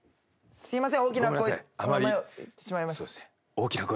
すいません。